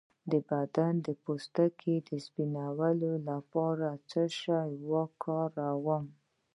د بدن د پوستکي د سپینولو لپاره څه شی وکاروم؟